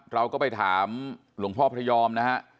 เราก็ไปถามหลวงพ่อพระยอมนะฮะ